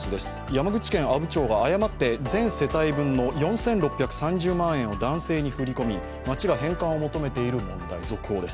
山口県阿武町が誤って全世帯分の４６３０万年を男性に振り込み町が返還を求めている問題の続報。